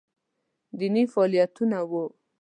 دیني فعالیتونه وو